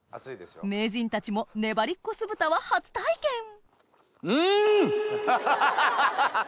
名人たちもねばりっこ酢豚は初体験ハハハ！